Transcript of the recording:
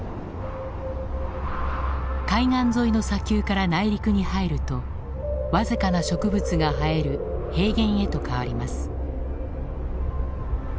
海岸沿いの砂丘から内陸に入ると僅かな植物が生える平原へと変わります。